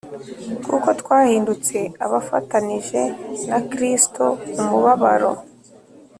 Kuko twahindutse abafatanije na Kristo umubabaro